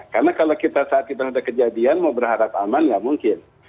karena kalau saat kita ada kejadian mau berharap aman tidak mungkin